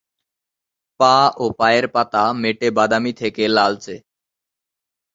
পা ও পায়ের পাতা মেটে বাদামি থেকে লালচে।